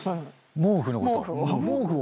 毛布のことを。